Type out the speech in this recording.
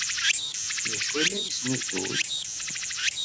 D acu ay la yesnuzuy?